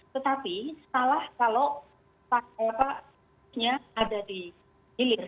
tetapi salah kalau ada di hilir